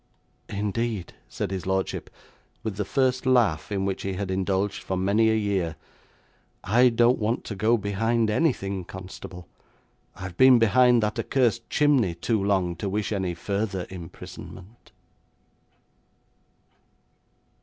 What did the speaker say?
'Indeed,' said his lordship, with the first laugh in which he had indulged for many a year. 'I don't want to go behind anything, constable, I've been behind that accursed chimney too long to wish any further imprisonment.'